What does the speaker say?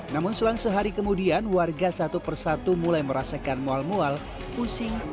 namun selang sehari kemudian warga satu persatu mulai merasakan mual mual pusing